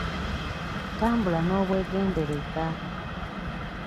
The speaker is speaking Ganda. Tambulanga n'obwegendereza.